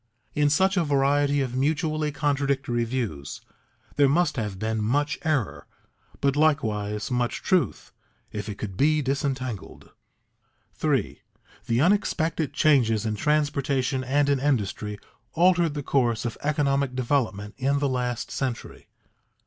In such a variety of mutually contradictory views there must have been much error, but likewise much truth if it could be disentangled. [Sidenote: Economic prophecies of the nineteenth century] 3. _The unexpected changes in transportation and in industry altered the course of economic development in the last century.